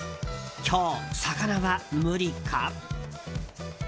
今日、魚は無理か。